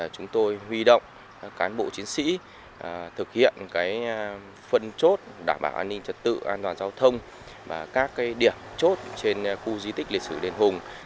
chúng tôi huy động cán bộ chiến sĩ thực hiện phân chốt đảm bảo an ninh trật tự an toàn giao thông và các điểm chốt trên khu di tích lịch sử đền hùng